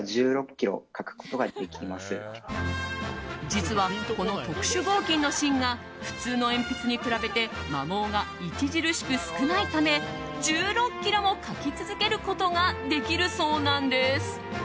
実は、この特殊合金の芯が普通の鉛筆に比べて摩耗が著しく少ないため１６ｋｍも書き続けることができるそうなんです。